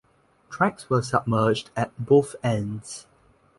Tracks were submerged at both ends.